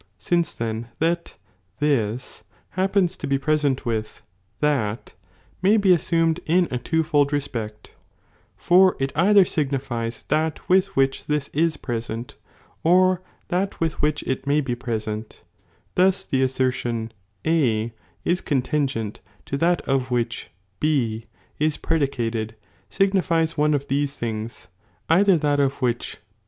Since then that Ihii happens to be present with thai may 1 be assumed in a twofold respect, — (for it either signifies 1 that wilh which this is present, or that with which it may be * present, thus the assertion, A is contingent to that of which B is predicated, signifies one of these things, either that of which.